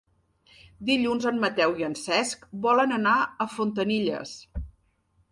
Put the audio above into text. Dilluns en Mateu i en Cesc volen anar a Fontanilles.